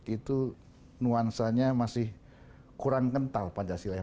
itu nuansanya masih kurang kental pancasila